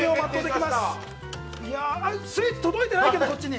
スイーツ届いてないけどこっちに。